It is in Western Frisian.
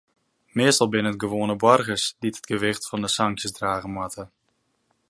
Meastal binne it de gewoane boargers dy't it gewicht fan de sanksjes drage moatte.